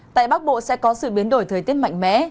tại bắc bộ sẽ có sự biến đổi thời tiết mạnh mẽ